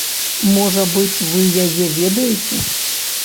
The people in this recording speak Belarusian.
Можа быць, вы яе ведаеце?